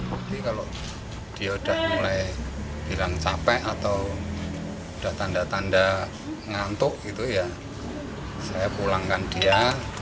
jadi kalau dia udah mulai bilang capek atau udah tanda tanda ngantuk gitu ya saya pulangkan dia